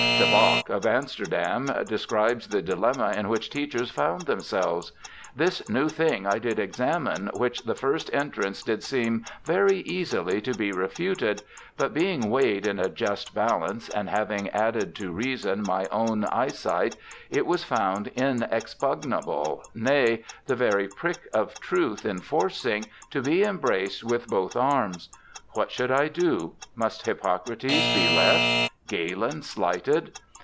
De Bach of Amsterdam describes the dilemma in which teachers found them selves :' This new thing I did examine, which the first entrance did seem very easily to be refuted, but being weighed in a just balance, and having added to reason my own ey sight it was found inexpugnable, nay (the very prick of truth enforcing) to be embraced with both arms. What should I doe? Must Hippocrates be left, Galen slighted